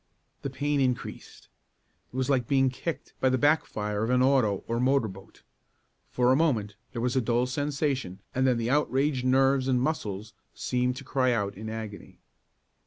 The pain increased. It was like being kicked by the back fire of an auto or motor boat. For a moment there was a dull sensation and then the outraged nerves and muscles seemed to cry out in agony.